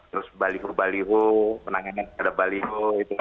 terus balihu balihu penanganan pada balihu